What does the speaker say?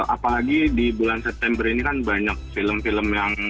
apalagi di bulan september ini kan banyak film film yang